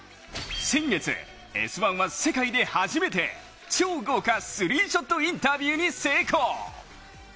先月、「Ｓ☆１」は世界で初めて超豪華スリーショットインタビューに成功。